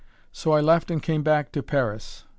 So I left and came back to Paris.